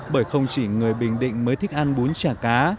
bởi không chỉ người bình định mới thích ăn bún chả cá